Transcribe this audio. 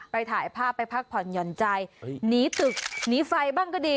ถ่ายภาพไปพักผ่อนหย่อนใจหนีตึกหนีไฟบ้างก็ดี